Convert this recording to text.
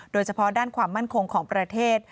โดยเฉพาะด้านความมั่นคงของประเทศ